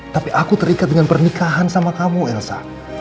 tapi aku terikat dengan pernikahan sama kamu elsa